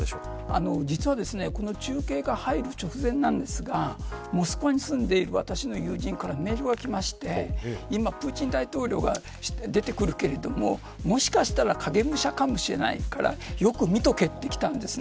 実は中継が入る直前なんですがモスクワに住んでいる私の友人からメールが来て今、プーチン大統領が出てくるけどもしかしたら影武者かもしれないからよく見とけ、ときたんです。